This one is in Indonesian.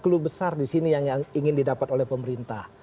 ada clue besar disini yang ingin didapat oleh pemerintah